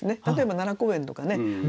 例えば奈良公園とかね